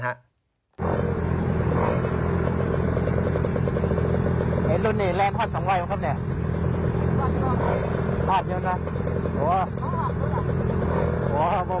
โอ้โหโอ้โห